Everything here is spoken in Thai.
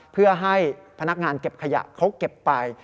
เพื่อให้พนักงานเก็บขยะเขาเก็บไป